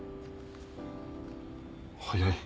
早い。